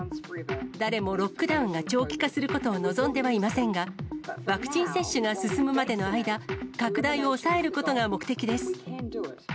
誰もロックダウンが長期化することを望んではいませんが、ワクチン接種が進むまでの間、拡大を抑えることが目的です。